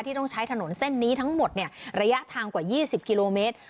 ที่ต้องใช้ถนนเส้นนี้ทั้งหมดเนี่ยระยะทางกว่ายี่สิบกิโลเมตร